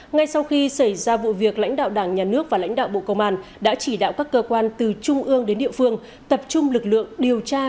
ngay sau khi xảy ra vụ việc lãnh đạo đảng nhà nước và lãnh đạo bộ công an đã chỉ đạo các cơ quan từ trung ương đến địa phương tập trung lực lượng điều tra